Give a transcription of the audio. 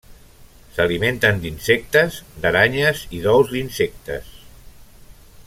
S'alimenten d'insectes, d'aranyes i d'ous d'insectes.